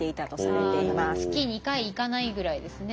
月２回いかないぐらいですね。